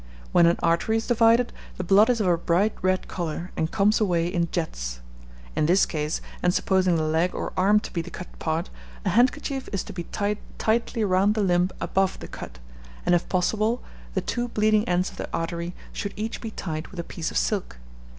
When an artery is divided, the blood is of a bright red colour, and comes away in jets. In this case, and supposing the leg or arm to be the cut part, a handkerchief is to be tied tightly round the limb above the cut; and, if possible, the two bleeding ends of the artery should each be tied with a piece of silk.